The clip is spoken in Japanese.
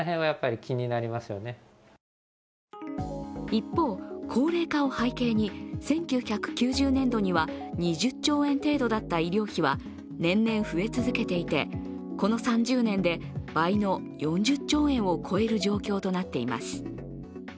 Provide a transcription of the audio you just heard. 一方、高齢化を背景に１９９０年度には２０兆円程度だった医療費は年々増え続けていてこの３０年で倍の４０兆円を超える状況となっています。